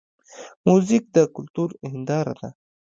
موزیک د کلتور هنداره ده.